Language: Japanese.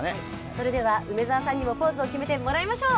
それでは梅澤さんにもポーズを決めてもらいましょう。